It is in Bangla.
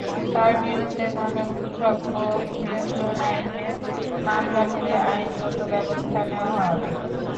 তাঁর বিরুদ্ধে মাদকদ্রব্য নিয়ন্ত্রণ আইনে মামলা করে আইনগত ব্যবস্থা নেওয়া হবে।